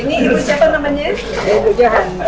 ini ibu siapa namanya ibu johan